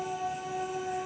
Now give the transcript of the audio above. tapi aku tidak bisa